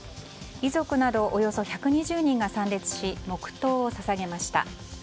遺族などおよそ１２０人が参列し、黙祷を捧げました。